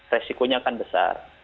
resikonya akan besar